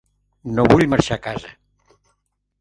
Nu vull marxar a casa.